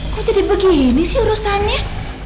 kok jadi begini sih urusannya